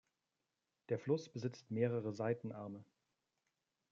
Der Fluss besitzt mehrere Seitenarme.